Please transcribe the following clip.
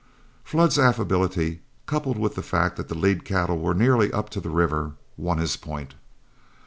Flood's affability, coupled with the fact that the lead cattle were nearly up to the river, won his point.